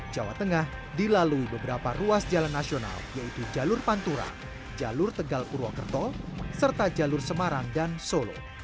jawa tengah dilalui beberapa ruas jalan nasional yaitu jalur pantura jalur tegal purwokerto serta jalur semarang dan solo